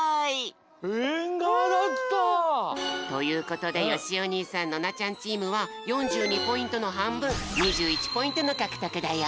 エンガワだった！ということでよしお兄さんノナちゃんチームは４２ポイントのはんぶん２１ポイントのかくとくだよ。